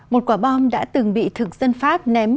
một quả bom đã từng bị thực dân pháp ném